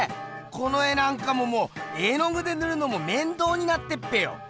この絵なんかももう絵のぐでぬるのもめんどうになってっぺよ！